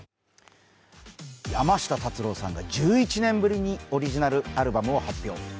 山下達郎さんが１１年ぶりにオリジナルアルバムを発表。